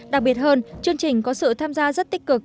đặc biệt hơn chương trình có sự tham gia rất tích cực